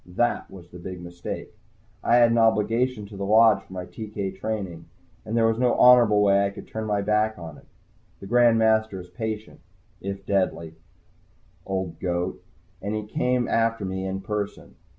That was the big mistake. I had an obligation to the Lodge for my TK training, and there was no honorable way I could turn my back on it. The Grand Master is a patient, if deadly, old goat, and he came after me in person.